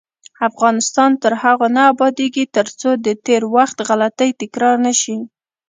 افغانستان تر هغو نه ابادیږي، ترڅو د تیر وخت غلطۍ تکرار نشي.